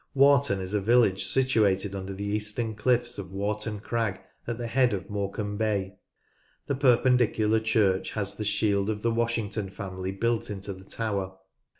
Warton is a village situated under the eastern cliffs ot Warton Crag at the head of Morecambe CHIEF TOWNS AND VILLAGES 177 Bay. The Perpendicular church has the shield of the Washing ton family built into the tower.